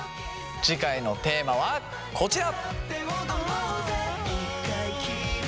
次回のテーマはこちら！